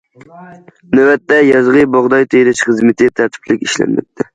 نۆۋەتتە، يازغى بۇغداي تېرىش خىزمىتى تەرتىپلىك ئىشلەنمەكتە.